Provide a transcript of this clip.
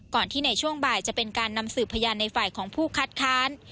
ที่ในช่วงบ่ายจะเป็นการนำสืบพยานในฝ่ายของผู้คัดค้าน